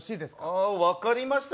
ああ、分かりました。